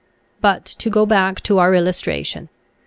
But to go back to our illustration.